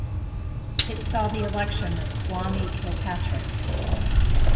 It saw the election of Kwame Kilpatrick.